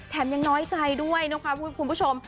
ยังน้อยใจด้วยนะคะคุณผู้ชม